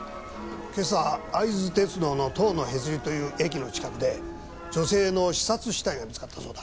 今朝会津鉄道の塔のへつりという駅の近くで女性の刺殺死体が見つかったそうだ。